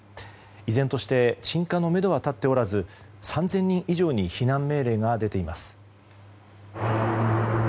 依然として鎮火のめどは立っておらず３０００人以上に避難命令が出ています。